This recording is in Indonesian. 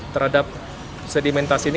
terhadap sedimentasi ini